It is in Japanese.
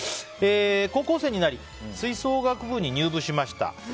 高校生になり吹奏楽部に入部しました。